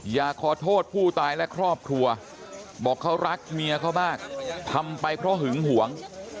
อยากขอโทษผู้ตายและครอบครัวบอกเขารักเมียเขามากทำไปเพราะหึงหวง